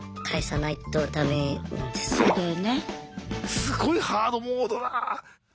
すごいハードモードだ。